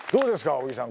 小木さん